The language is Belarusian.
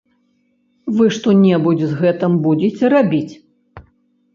Вы што-небудзь з гэтым будзеце рабіць?